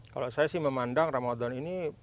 kalau saya sih memandang ramadan ini